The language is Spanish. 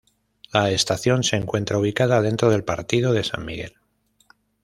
La estación se encuentra ubicada dentro del partido de San Miguel.